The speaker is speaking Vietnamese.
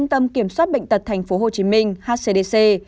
để kiểm soát bệnh tật thành phố hồ chí minh hcdc